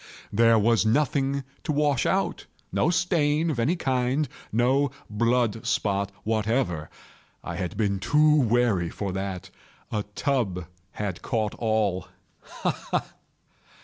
There was nothing to wash out—no stain of any kind—no blood spot whatever. I had been too wary for that. A tub had caught all—ha! ha!